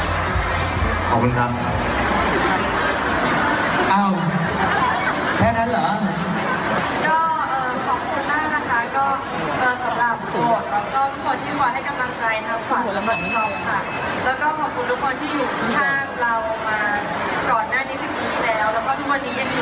แล้วก็ขอบคุณทุกคนที่อยู่ข้างเรามาก่อนหน้านี้สักนิดอีกแล้วแล้วก็ทุกวันนี้เย็นหยุดแล้วขอบคุณทุกคนมากค่ะ